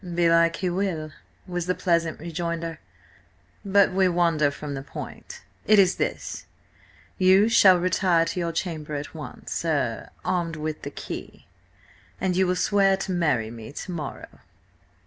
"Belike He will," was the pleasant rejoinder. "But we wander from the point. It is this: you shall retire to your chamber at once–er–armed with the key–an you will swear to marry me to morrow."